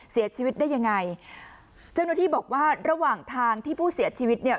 เสียชีวิตได้ยังไงเจ้าหน้าที่บอกว่าระหว่างทางที่ผู้เสียชีวิตเนี่ย